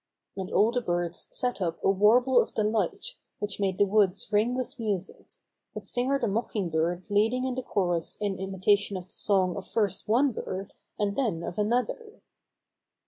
And all the birds set up a warble of delight, which made the woods ring with music, with Singer the Mocking Bird leading in the chorus in imitation of the song of first one bird and then of another.